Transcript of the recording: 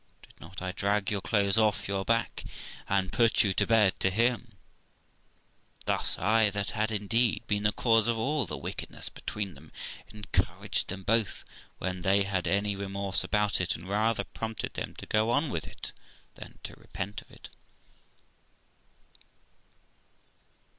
Did not I drag your clothes off your back, and put you to bed to him ?' Thus I, that had, indeed, been the cause of all the wickedness between them, encouraged them both, when they had any remorse about it, and rather prompted them to go on with it than to repent it.